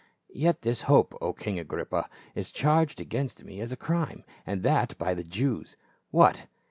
Yet this hope, O king Agrippa, is charged against me as a crime, and that by the Jews. What